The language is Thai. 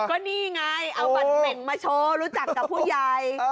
ก็นี่ไงเอาบัตรเหม่งมาโชว์รู้จักกับผู้ใหญ่